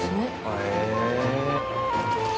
へえ。